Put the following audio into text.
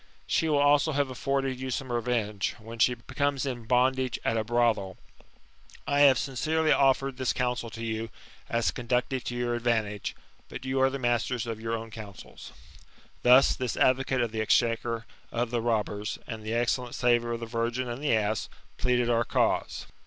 She will also have afforded you some revenge, when she becomes in bondage at a brothel. I have sincerely offered this counsel to you, as conducive to your advantage ; but you are the masters of your own counsels." Thus this advocate of the exchequer of the robbers, and the excellent saviour of the virgin and the ass, pleaded our cause.